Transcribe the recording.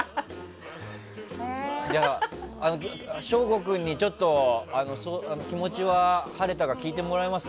昇吾君に気持ちは晴れたか聞いてもらえますか？